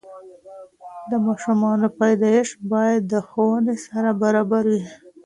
د ماشومانو پیدایش باید د ښوونې سره برابره وي.